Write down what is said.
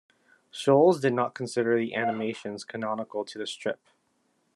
Schulz did not consider the animations canonical to the strip.